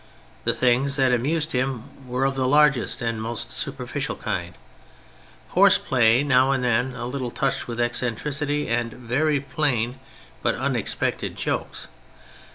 The things that amused him were of the largest and most superficial kind Horse play, now and then a little touched with eccentricity, and very plain but unexpected jokes.